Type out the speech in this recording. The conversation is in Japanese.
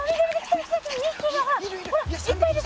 いっぱいいる。